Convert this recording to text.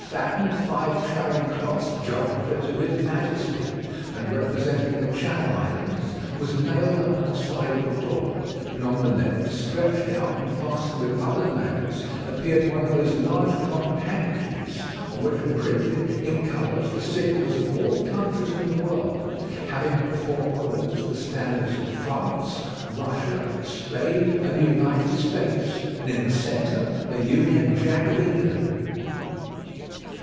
Faden_, 5 Charing Cross, Geographer to His Majesty, and representing the Channel Islands, was nailed up at the side of the door, and on the left, stretched out and fastened with other nails, appeared one of those large cotton handkerchiefs on which are printed, in colours, the signals of all countries in the world, having at the four corners the standards of France, Russia, Spain, and the United States, and in the centre the union jack of England.